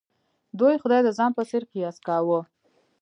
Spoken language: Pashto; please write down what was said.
دوی خدای د ځان په څېر قیاس کاوه.